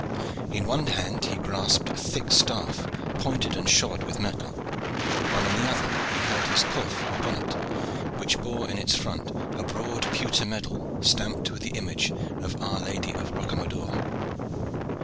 In one hand he grasped a thick staff pointed and shod with metal, while in the other he held his coif or bonnet, which bore in its front a broad pewter medal stamped with the image of Our Lady of Rocamadour.